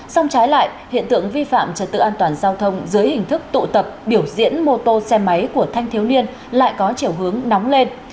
xong trái lại hiện tượng vi phạm trật tự an toàn giao thông dưới hình thức tụ tập biểu diễn mô tô xe máy của thanh thiếu niên lại có chiều hướng nóng lên